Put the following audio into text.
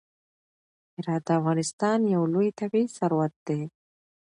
هرات د افغانستان یو لوی طبعي ثروت دی.